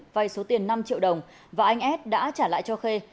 vay số tiền năm triệu đồng và anh ad đã trả lại cho khê